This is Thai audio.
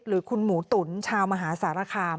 หรือคุณหมูตุ๋นชาวมหาสารคาม